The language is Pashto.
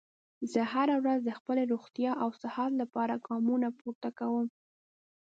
زه هره ورځ د خپلې روغتیا او صحت لپاره ګامونه پورته کوم